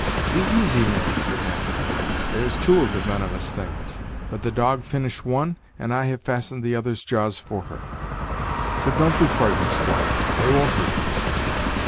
"Be easy, man," said Natty; "there's two of the venomous things; but the dog finished one, and I have fastened the other's jaws for her; so don't be frightened, squire; they won't hurt you."